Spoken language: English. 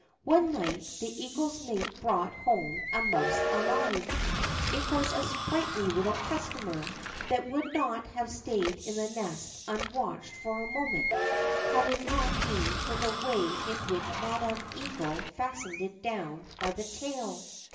One night, the eagle's mate brought home a mouse alive. It was a sprightly little customer, that would not have stayed in the nest unwatched for a moment, had it THE GBEEN FROG 91 not been for the way in which Madam Eagle fastened it down by the tail.